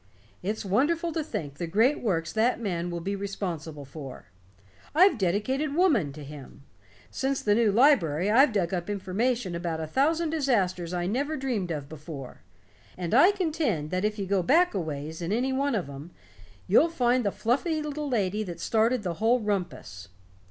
It's wonderful to think the great works that man will be responsible for. I've dedicated Woman to him. Since the new library, I've dug up information about a thousand disasters I never dreamed of before, and I contend that if you go back a ways in any one of 'em, you'll find the fluffy little lady that started the whole rumpus.